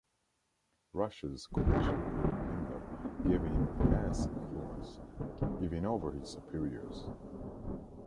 Rascher's connection with Himmler gave him immense influence, even over his superiors.